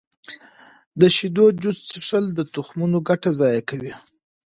د شیدو جوس څښل د تخمونو ګټه ضایع کوي.